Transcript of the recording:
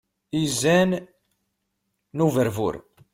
Izan n uberbur.